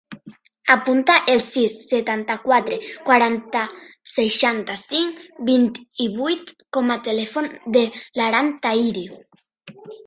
Apunta el sis, setanta-quatre, quaranta, seixanta-cinc, vint-i-vuit com a telèfon de l'Aran Tahiri.